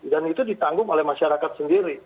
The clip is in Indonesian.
dan itu ditanggung oleh masyarakat sendiri